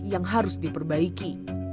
yang harus diperbaiki